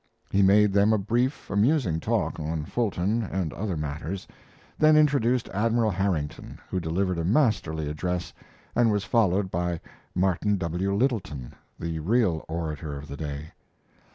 He made them a brief, amusing talk on Fulton and other matters, then introduced Admiral Harrington, who delivered a masterly address and was followed by Martin W. Littleton, the real orator of the day.